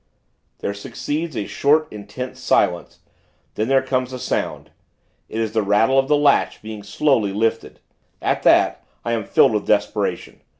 There succeeds a short, intense silence; then there comes a sound. It is the rattle of the latch, being slowly lifted. At that, I am filled with desperation.